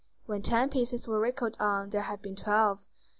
When ten pieces were reckoned on there have been twelve.